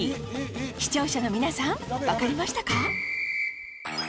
視聴者の皆さんわかりましたか？